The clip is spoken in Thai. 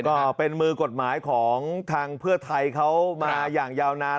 ก็เป็นมือกฎหมายของทางเพื่อไทยเขามาอย่างยาวนาน